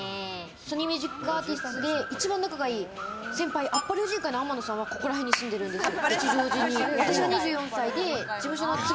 ソニー・ミュージックアーティスツで一番仲のいい先輩、あっぱれ婦人会の天野さんはこの辺に住んでるんですよ。